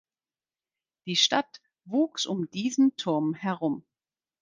Die Stadt wuchs um diesen Turm herum.